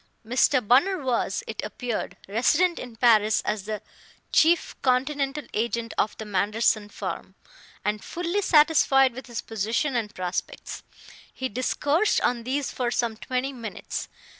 Mr. Bunner was, it appeared, resident in Paris as the chief Continental agent of the Manderson firm, and fully satisfied with his position and prospects. He discoursed on these for some twenty minutes.